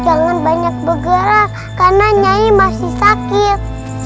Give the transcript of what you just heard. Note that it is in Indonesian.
jangan banyak bergerak karena nyai masih sakit